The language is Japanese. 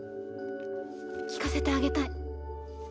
聴かせてあげたい。